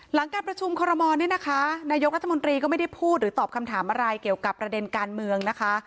หลังการประชุมคอรมอลเนี่ยนะคะนายกรัฐมนตรีก็ไม่ได้พูดหรือตอบคำถามอะไรเกี่ยวกับประเด็นการเมืองนะคะ